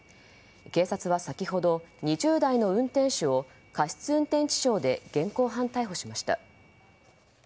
警察は先ほど２０代の運転手を過失運転致傷で現行犯逮捕しました。